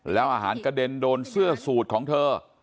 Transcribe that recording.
แล้วอาหารกระเด็นโดนเสื้อสูตรของเธอ